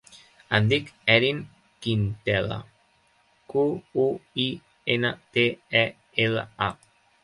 Em dic Erin Quintela: cu, u, i, ena, te, e, ela, a.